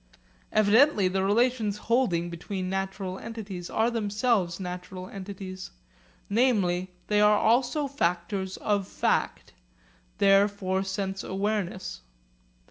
Evidently the relations holding between natural entities are themselves natural entities, namely they are also factors of fact, there for sense awareness.